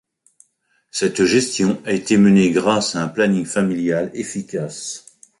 Cette gestion a été menée grâce à un planning familial efficace.